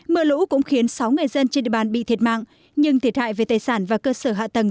mưa lũ cũng khiến sáu người dân trên địa bàn bị thiệt mạng nhưng thiệt hại về tài sản và cơ sở hạ tầng